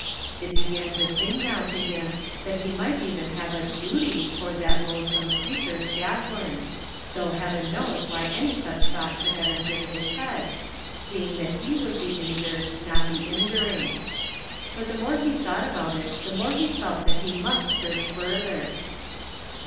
It began to seem now to him that he might even have a duty toward that loathsome creature Scathlin, though heaven knows why any such thought should have entered his head, seeing he was the injured, not the injuring. But the more he thought about it the more he felt that he must search further.